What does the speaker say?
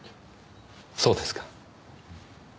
そうですか。